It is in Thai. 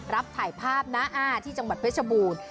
รับถ่ายภาพนะที่จังหวัดเพชรบูรณ์